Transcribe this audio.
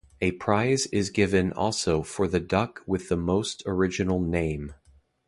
A prize is given also for the duck with the most original name.